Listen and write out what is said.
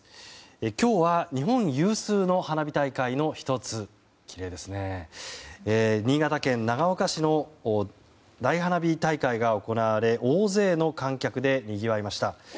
今日は日本有数の花火大会の１つ新潟県長岡市の大花火大会が行われ大勢の観客でにぎわいました。